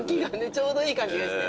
ちょうどいい感じがして。